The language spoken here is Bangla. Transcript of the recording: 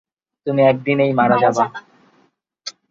তুমি এক দিনেই মারা যাবা!